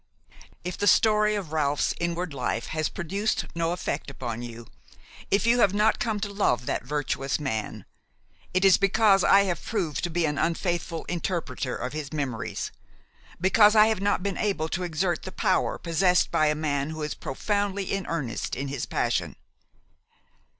If the story of Ralph's inward life has produced no effect upon you, if you have not come to love that virtuous man, it is because I have proved to be an unfaithful interpreter of his memories, because I have not been able to exert the power possessed by a man who is profoundly in earnest in his passion.